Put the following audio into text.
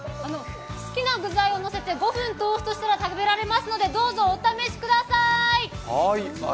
好きな具材をのせて、５分トーストしたら食べられますので、どうぞお試しください！